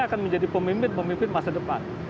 akan menjadi pemimpin pemimpin masa depan